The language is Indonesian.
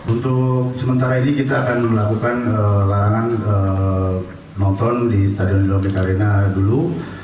untuk sementara ini kita akan melakukan larangan nonton di stadion gelombang arena dulu